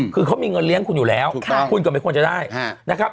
คือเขามีเงินเลี้ยงคุณอยู่แล้วคุณก็ไม่ควรจะได้นะครับ